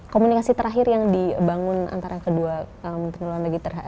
komunikasi terakhir yang dibangun antara kedua tentara negara